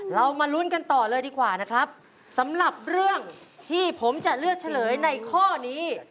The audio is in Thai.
เรามาลุ้นกันต่อเลยดีกว่านะครับสำหรับเรื่องที่ผมจะเลือกเฉลยในข้อนี้